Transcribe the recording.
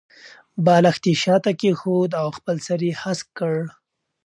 بالښت یې شاته کېښود او خپل سر یې هسک کړ.